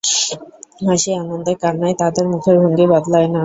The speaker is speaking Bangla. হাসি আনন্দে কান্নায় তাদের মুখের ভঙ্গি বদলায় না।